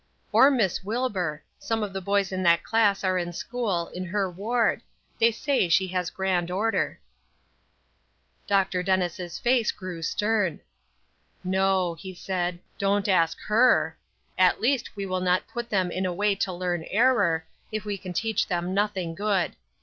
"Or Miss Wilbur. Some of the boys in that class are in school, in her ward; they say she has grand order." Dr. Dennis' face grew stern. "No," he said, "don't ask her; at least we will not put them in a way to learn error, if we can teach them nothing good.